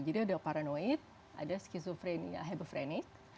jadi ada paranoid ada schizophrenia hebephrenic